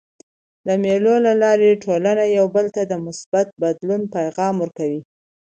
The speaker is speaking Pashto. د مېلو له لاري ټولنه یو بل ته د مثبت بدلون پیغام ورکوي.